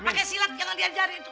pakai silat jangan diajari itu